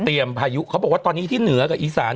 พายุเขาบอกว่าตอนนี้ที่เหนือกับอีสาน